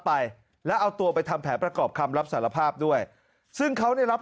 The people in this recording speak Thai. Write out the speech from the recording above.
ไปแล้วเอาตัวไปทำแผนประกอบคำรับสารภาพด้วยซึ่งเขาได้รับ